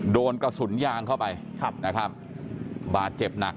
โดนกระสุนยางเข้าไปนะครับบาดเจ็บหนัก